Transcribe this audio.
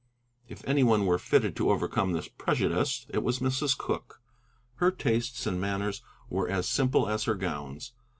If any one were fitted to overcome this prejudice, it was Mrs. Cooke. Her tastes and manners were as simple as her gowns.